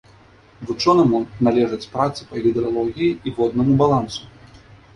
Вучонаму належаць працы па гідралогіі і воднаму балансу.